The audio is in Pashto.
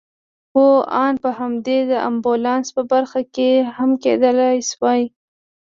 هو آن په همدې د امبولانس په برخه کې هم کېدای شوای.